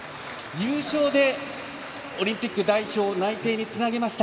優勝でオリンピック代表内定つなげました。